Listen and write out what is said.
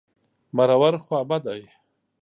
مرور... خوابدی.